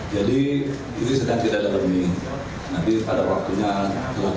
jadi ini sedang tidak dalam ini